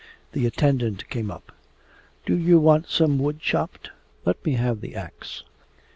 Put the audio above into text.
The attendant came up. 'Do you want some wood chopped? Let me have the axe.